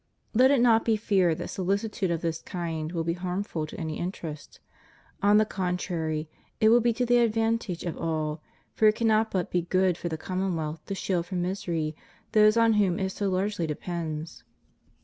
Let it not be feared that solicitude of this kind will be harmful to any interest; on the contrary, it will be to the advan tage of all; for it cannot but be good for the commonwealth to shield from misery those on whom it so largely depends.